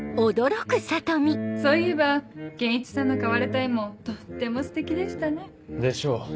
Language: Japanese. そういえば憲一さんの買われた絵もとってもステキでしたね。でしょう？